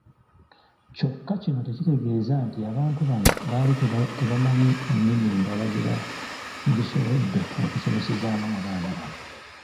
Kyokka kino tekitegeeza nti abantu bano baali tebamanyi nnimi ndala ze bandisobodde okusomesezaamu abaana bano.